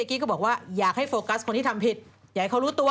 กี้ก็บอกว่าอยากให้โฟกัสคนที่ทำผิดอยากให้เขารู้ตัว